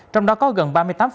trong đó có gần ba mươi tám